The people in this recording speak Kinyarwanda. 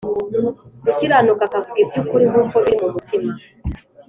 gukiranuka Akavuga iby ukuri nk uko biri mu mutima